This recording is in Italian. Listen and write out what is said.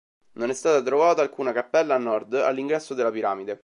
Non è stata trovata alcuna cappella a nord, all'ingresso della piramide.